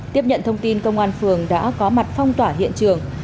tiếp nhận thông tin công an phường đã có mặt phong tỏa hiện trường